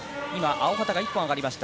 青旗が１本上がりました。